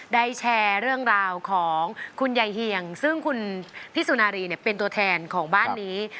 ได้แชร์เรื่องราวของคุณยายเหี่ยงซึ่งคุณพี่สุนารีเนี่ยเป็นตัวแทนของบ้านนี้